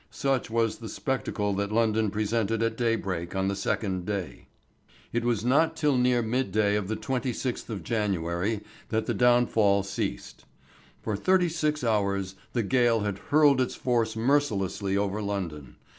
Such was the spectacle that London presented at daybreak on the second day. It was not till nearly midday of the 26th of January that the downfall ceased. For thirty six hours the gale had hurled its force mercilessly over London.